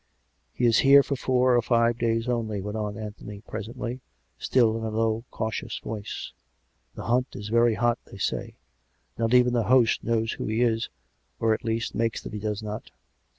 " He is here for four or five days only," went on Anthony presently, still in a low, cautious voice. " The hunt is very hot, they say. Not even the host knows who he is; or, at least, makes that he does not.